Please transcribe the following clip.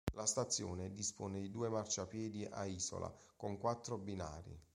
La stazione dispone di due marciapiedi a isola con quattro binari.